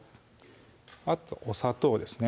あとお砂糖ですね